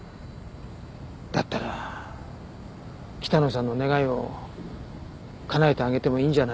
だったら北野さんの願いを叶えてあげてもいいんじゃないか